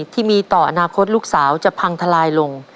ที่มีต่ออนาคตลูกสาวจะพังทลายลง